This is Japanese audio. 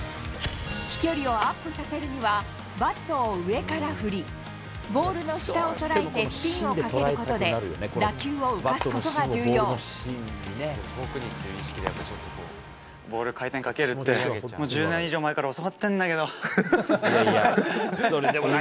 飛距離をアップさせるには、バットを上から振り、ボールの下をたたいて、スピンをかけることで、打球を浮かすことボール回転かけるって、もう１０年以上前から教わってんだけど。